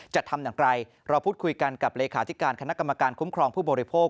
จะทำอย่างไรเราพูดคุยกันกับเลขาธิการคณะกรรมการคุ้มครองผู้บริโภค